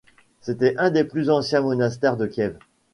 C'était un des plus anciens monastères de Kiev.